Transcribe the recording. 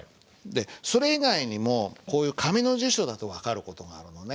それ以外にもこういう紙の辞書だと分かる事があるのね。